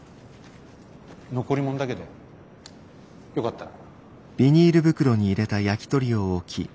残り物だけどよかったら。